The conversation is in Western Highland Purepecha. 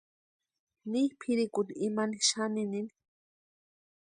Ni pʼirhikʼuni imani xaninini.